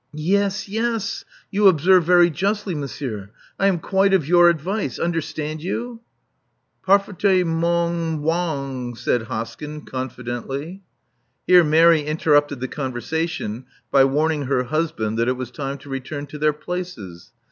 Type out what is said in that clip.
Yes, yes. You observe very justly, monsieur. I am quite of your advice. Understand you?" '*Parfatemong byang,"said Hoskyn, confidently. Here Mary interrupted the conversation by warn ing her husband that it was time to return to their places.